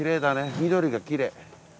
緑がきれい。